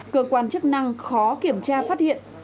cơ quan chức năng khó kiểm tra phát hiện